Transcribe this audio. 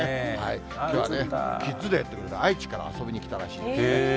きょうはね、キッズデーということで、愛知から遊びに来たらしいですよ。